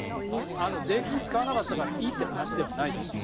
税金使わなかったからいいという話ではないです。